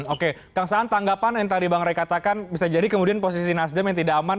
oke kang saan tanggapan yang tadi bang ray katakan bisa jadi kemudian posisi nasdem yang tidak aman